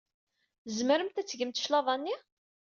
Tzemremt ad d-tgemt cclaḍa-nni?